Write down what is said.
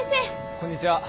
こんにちは。